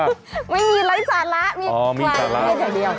ไม่มีไร้สาระมีใครไม่มีใครเดียว